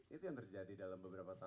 itu yang terjadi dalam beberapa hal itu ya